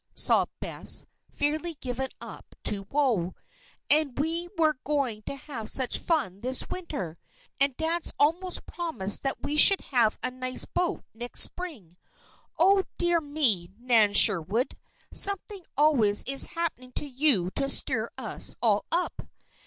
sobbed Bess, fairly given up to woe. "And we were going to have such fun this winter. And Dad's almost promised that we should have a nice boat next spring. Oh, dear me, Nan Sherwood! Something always is happening to you to stir us all up!"